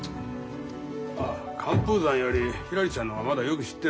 寒風山よりひらりちゃんの方がまだよく知ってるな。